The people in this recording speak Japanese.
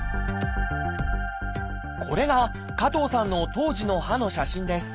これが加藤さんの当時の歯の写真です。